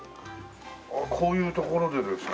こういう所でですか？